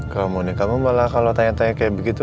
kalo mau nyetir kamu malah kalo tanya tanya kayak begitu